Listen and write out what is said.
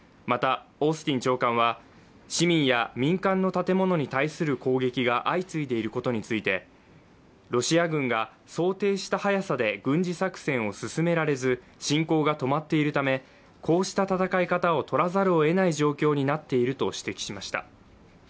また、オースティン長官は市民や民間の建物に対する攻撃が相次いでいることについて、ロシア軍が想定した早さで軍事作戦を進められず侵攻が止まっているためこうした戦い方をとらざるをえない状況になっていると指摘しました。